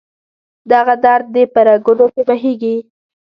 دغه درد دې په رګونو کې بهیږي